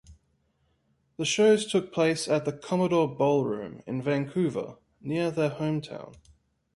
The shows took place at the Commodore Ballroom in Vancouver, near their hometown.